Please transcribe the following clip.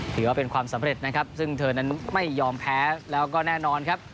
ถือว่าเป็นความสำเร็จนะครับซึ่งเธอนั้นไม่ยอมแพ้แล้วก็แน่นอนครับ